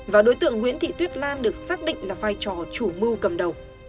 và đối tượng nguyễn thị tuyết lan được xác định là vai trò chủ mưu cầm đầu